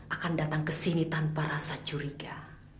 akan datang ke sini tanpa rasa curiga